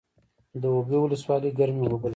د اوبې ولسوالۍ ګرمې اوبه لري